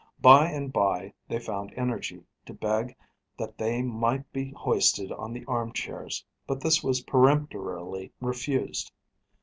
By and by they found energy to beg that they might be hoisted on the arm chairs; but this was peremptorily refused.